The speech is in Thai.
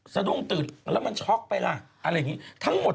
สะดุ้งตื่นแล้วมันช็อกไปล่ะอะไรอย่างนี้ทั้งหมด